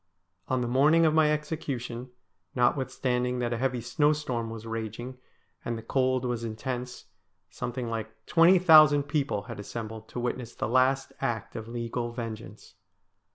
On the morning of my execution, notwith standing that a heavy snowstorm was raging, and the cold was intense, something like twenty thousand people had assembled to witness the last act of legal vengeance.